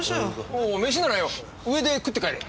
おう飯ならよ上で食って帰れ。